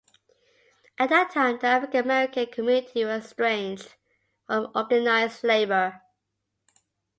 At that time the African American community was estranged from organized labor.